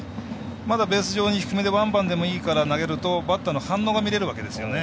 まだベース上に低めのワンバンでいいから投げるとバッターの反応が見れるわけですよね。